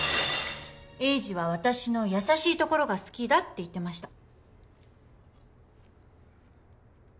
栄治は私の優しいところが好きだって言ってました。